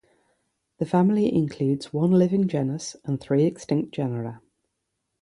The family includes one living genus and three extinct genera.